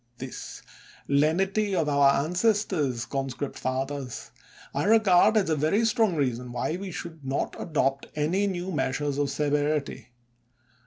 This lenity of our ances tors, conscript fathers, I regard as a very strong reason why we should not adopt any new meas ures of severity.